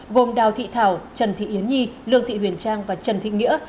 gồm đào thị thảo trần thị yến nhi lương thị huyền trang và trần thị nghĩa